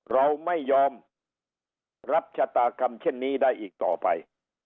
เราไม่ยอมรับชะตากรรมเช่นนี้ได้อีกต่อไป